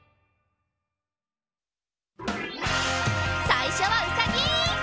さいしょはうさぎ！